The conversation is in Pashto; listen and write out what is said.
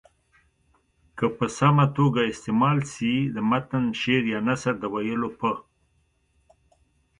که په سمه توګه استعمال سي د متن شعر یا نثر د ویلو په